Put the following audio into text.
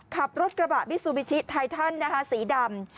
ขับรถกระบะมิซูบิชิไททันนะคะสีดำ